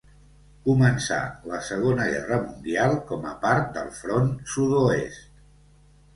Començà la Segona Guerra Mundial com a part del Front Sud-oest.